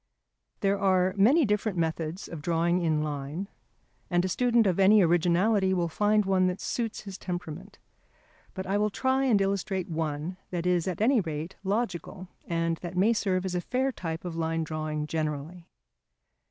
There are many different methods of drawing in line, and a student of any originality will find one that suits his temperament. But I will try and illustrate one that is at any rate logical, and that may serve as a fair type of line drawing generally.